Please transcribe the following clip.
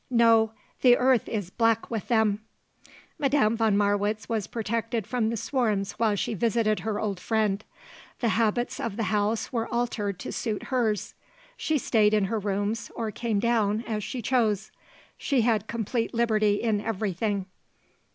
No, the earth is black with them." Madame von Marwitz was protected from the swarms while she visited her old friend. The habits of the house were altered to suit hers. She stayed in her rooms or came down as she chose. She had complete liberty in everything.